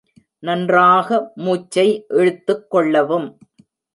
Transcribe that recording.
நன்றாக மூச்சை இழுத்துக்கொள்ளவும்.